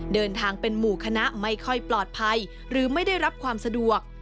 เดินทางเป็นหมู่คณะไม่ค่อยปลอดภัยหรือไม่ได้รับความสะดวก